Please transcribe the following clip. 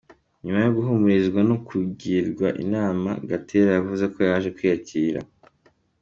Nyuma yo guhumurizwa no kugirwa inama, Gatera yavuze ko yaje kwiyakira.